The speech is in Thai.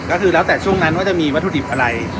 ก็คือแล้วแต่ช่วงนั้นว่าจะมีวัตถุดิบอะไร